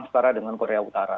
setara dengan korea utara